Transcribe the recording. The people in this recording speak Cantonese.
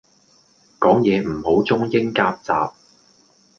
講野唔好中英夾雜